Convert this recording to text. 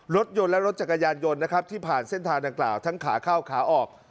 รถยนต์และรถจักรยานยนต์นะครับที่ผ่านเส้นทางดังกล่าวทั้งขาเข้าขาออก